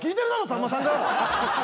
さんまさんが！